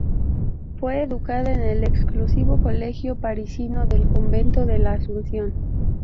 Fue educada en el exclusivo colegio parisino del convento de la Asunción.